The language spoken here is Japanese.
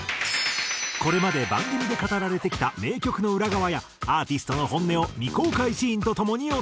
これまで番組で語られてきた名曲の裏側やアーティストの本音を未公開シーンとともにお届け。